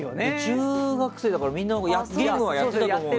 中学生だから、みんなゲームはやってたと思うんですよ。